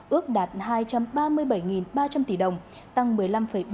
ước đạt hai trăm ba mươi bảy triệu lượt người